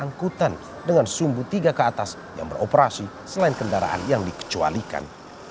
angkutan dengan sumbu tiga ke atas yang beroperasi selain kendaraan yang dikecualikan